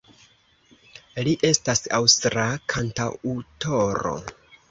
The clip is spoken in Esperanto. Li estas aŭstra kantaŭtoro.